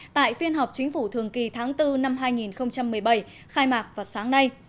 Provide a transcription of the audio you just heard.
tại phiên họp chính phủ thường kỳ tháng bốn năm hai nghìn một mươi bảy khai mạc vào sáng nay